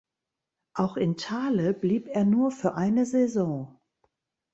Auch in Thale blieb er nur für eine Saison.